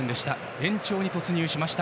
延長に突入しました。